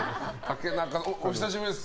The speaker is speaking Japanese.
お久しぶりです。